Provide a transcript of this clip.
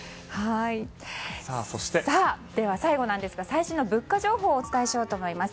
では最後なんですが最新の物価情報をお伝えしようと思います。